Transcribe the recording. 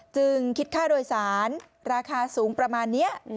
จึงคิดค่าโดยสารราคาสูงประมาณนี้